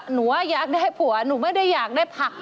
หนูว่าอยากได้ผัวหนูไม่ได้อยากได้ผัก